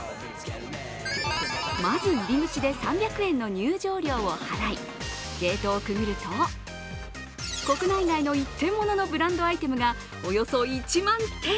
まず、入り口で３００円の入場料を払い、ゲートをくぐると国内外の一点物のブランドアイテムがおよそ１万点。